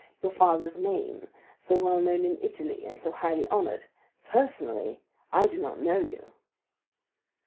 —your father's name, so well known in Italy and so highly honored. Personally, I do not know you."